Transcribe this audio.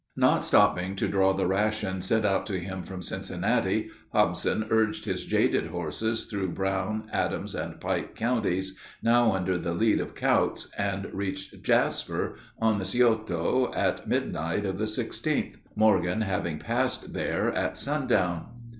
Not stopping to draw the rations sent out to him from Cincinnati, Hobson urged his jaded horses through Brown, Adams, and Pike counties, now under the lead of Kautz, and reached Jasper, on the Scioto, at midnight of the 16th, Morgan having passed there at sundown.